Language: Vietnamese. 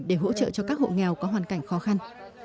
để hỗ trợ cho các hộ nghèo có hoàn cảnh khó khăn